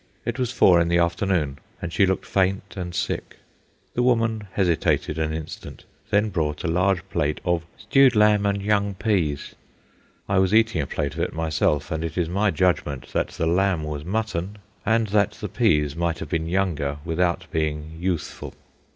It was four in the afternoon, and she looked faint and sick. The woman hesitated an instant, then brought a large plate of "stewed lamb and young peas." I was eating a plate of it myself, and it is my judgment that the lamb was mutton and that the peas might have been younger without being youthful.